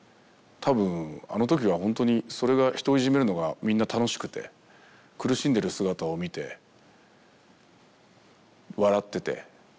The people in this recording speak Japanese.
多分あのときはほんとにそれが人をいじめるのがみんな楽しくて苦しんでる姿を見て笑ってて。